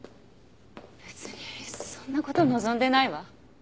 別にそんな事望んでないわ。